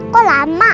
kalau aku benci